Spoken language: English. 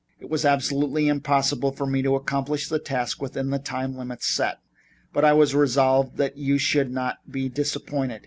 It was absolutely impossible for me to accomplish the task within the time limit set, but I was resolved that you should not be disappointed.